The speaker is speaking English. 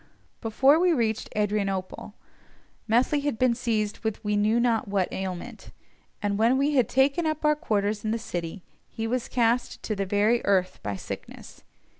Before we reached Adrianople, Methley had been seized with we knew not what ailment, and when we had taken up our quarters in the city he was cast to the very earth by sickness.